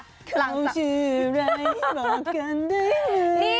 ว่าเราชื่ออะไรบอกกันด้วย